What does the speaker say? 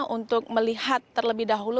untuk melihat terlebih dahulu